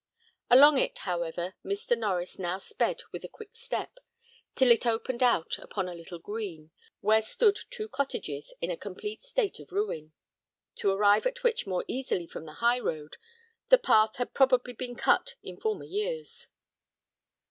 Along it, however, Mr. Norries now sped with a quick step, till it opened out upon a little green, where stood two cottages in a complete state of ruin, to arrive at which more easily from the high road, the path had probably been cut in former years.